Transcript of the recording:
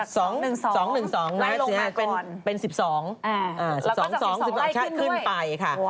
สวัสดีค่ะ